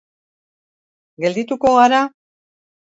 Geldituko gara?